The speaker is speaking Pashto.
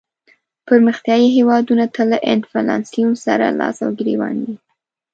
پرمختیایې هېوادونه تل له انفلاسیون سره لاس او ګریوان وي.